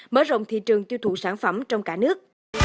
mở rộng thị trường tiêu thụ sản phẩm trong cả nước